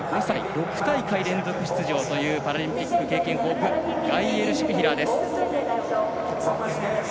６大会連続出場というパラリンピック経験豊富ガイエルシュピヒラーです。